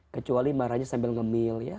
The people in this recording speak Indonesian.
kecuali marahnya sambil ngemil ya